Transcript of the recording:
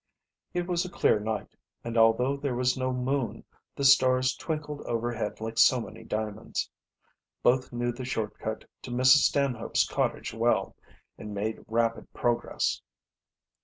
It was a clear night, and although there was no moon, the stars twinkled overhead like so many diamonds. Both knew the short cut to Mrs. Stanhope's cottage well, and made rapid progress.